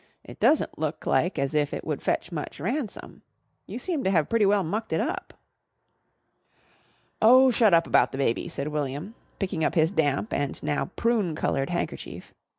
It doesn't look like as if it would fetch much ransom. You seem to have pretty well mucked it up." "Oh, shut up about the baby," said William picking up his damp and now prune coloured handkerchief.